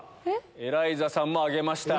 エライザさんも挙げました。